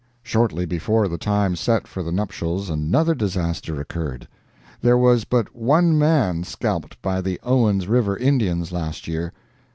Shortly before the time set for the nuptials another disaster occurred. There was but one man scalped by the Owens River Indians last year.